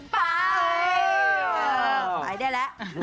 ไปได้แล้ว